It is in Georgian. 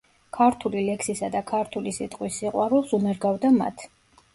ქართული ლექსისა და ქართული სიტყვის სიყვარულს უნერგავდა მათ.